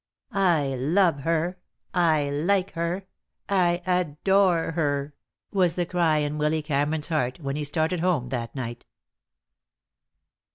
"I love her. I like her. I adore her," was the cry in Willy Cameron's heart when he started home that night.